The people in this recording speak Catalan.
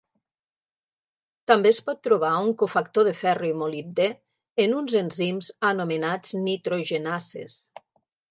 També es pot trobar un cofactor de ferro i molibdè en uns enzims anomenats nitrogenases.